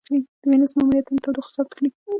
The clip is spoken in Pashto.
د وینوس ماموریتونه تودوخه ثبت کړې.